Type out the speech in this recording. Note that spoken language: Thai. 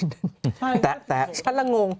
ใช่แต่แต่ฉันละงง